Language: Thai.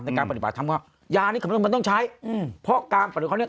ในการปฏิบัติทำก็ยานี้เขาไม่ต้องใช้เพราะการปฏิบัติเขาเนี้ย